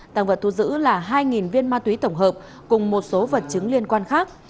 tăng vật thu giữ là hai viên ma túy tổng hợp cùng một số vật chứng liên quan khác